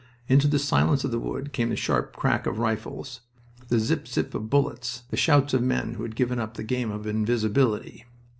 Into the silence of the wood came the sharp crack of rifles, the zip zip of bullets, the shouts of men who had given up the game of invisibility.